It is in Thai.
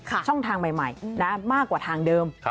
ช่องทางใหม่มากกว่าทางเดิม